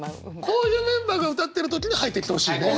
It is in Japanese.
こういうメンバーが歌ってる時に入ってきてほしいね。